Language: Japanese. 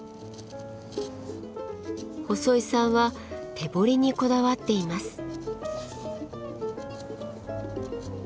細井さんは手彫りにこだわっています。